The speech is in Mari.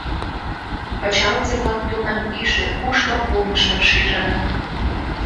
Пычалзе-влак тунам иже кушто улмыштым шижыныт.